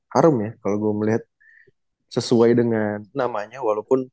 harum ya kalau gue melihat sesuai dengan namanya walaupun